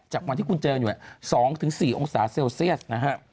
จากวันที่คุณเจออยู่๒๔องศาเซลเซียสนะฮะ